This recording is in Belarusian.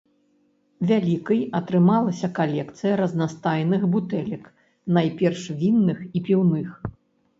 Вялікай атрымалася калекцыя разнастайных бутэлек, найперш вінных і піўных.